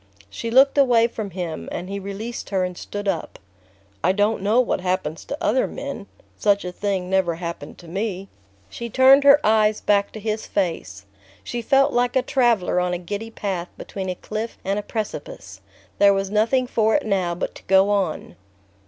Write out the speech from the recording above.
She looked away from him, and he released her and stood up. "I don't know what happens to other men. Such a thing never happened to me..." She turned her eyes back to his face. She felt like a traveller on a giddy path between a cliff and a precipice: there was nothing for it now but to go on.